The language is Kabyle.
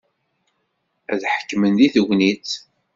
Ad ḥekmen deg tegnit.